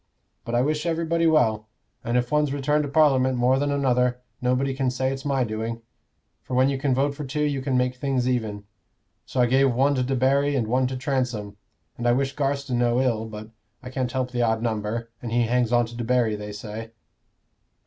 But I wish everybody well; and if one's returned to Parliament more than another, nobody can say it's my doing; for when you can vote for two, you can make things even. So I gave one to Debarry and one to Transome; and I wish Garstin no ill, but I can't help the odd number, and he hangs on to Debarry, they say."